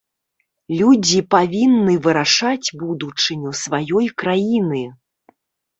Людзі павінны вырашаць будучыню сваёй краіны.